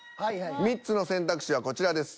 ３つの選択肢はこちらです。